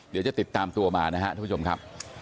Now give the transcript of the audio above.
เดี๋ยวจะติดตามตัวมานะครับท่านผู้ชมครับ